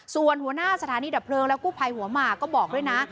ส่วนหัวหน้าสถานีดับเพลิงและกู้ภัยหัวหมากก็บอกด้วยนะ